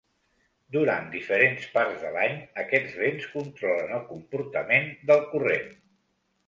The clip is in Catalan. Durant diferents parts de l'any, aquests vents controlen el comportament del corrent.